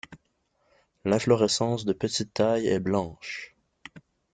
L'inflorescence de petite taille est blanche.